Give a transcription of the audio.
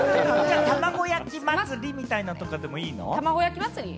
たまご焼き祭りみたいなんでもいいの？